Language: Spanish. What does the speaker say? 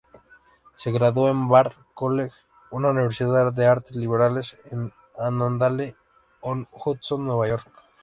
Se graduó de Bard College, una universidad de artes liberales en Annandale-on-Hudson, Nueva York.